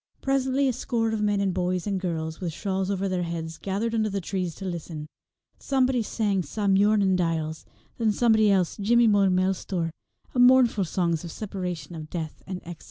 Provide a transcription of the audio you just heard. Presently a score of men and boys and girls, with shawls over their heads, gathered under the trees to listen. Somebody sang Sa Muirnin Diles, and then somebody else Jimmy Mo Milestor, mournful songs of separation, of death, and of exile.